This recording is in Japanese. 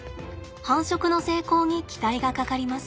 繁殖の成功に期待がかかります。